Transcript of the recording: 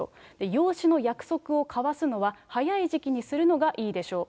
養子の約束を交わすのは、早い時期にするのがいいでしょう。